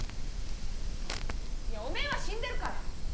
いやおめぇは死んでるから。